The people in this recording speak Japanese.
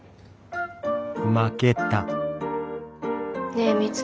ねえ美月。